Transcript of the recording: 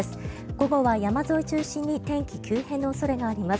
午後は山沿いを中心に天気、急変の恐れがあります。